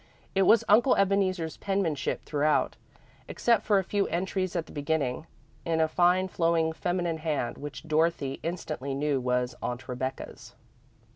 It was Uncle Ebeneezer's penmanship throughout, except for a few entries at the beginning, in a fine, flowing feminine hand, which Dorothy instantly knew was Aunt Rebecca's.